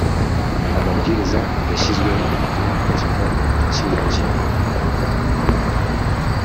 amabwiriza yashyizweho mu gika cy'iyi ngingo.